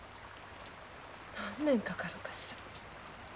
何年かかるかしら。